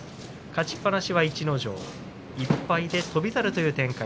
勝ちっぱなしは逸ノ城１敗で翔猿という展開。